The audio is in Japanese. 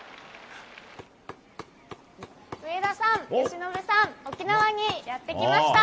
上田さん、由伸さん、沖縄にやって来ました。